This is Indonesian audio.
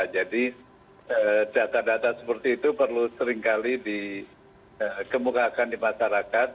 data data seperti itu perlu seringkali dikemukakan di masyarakat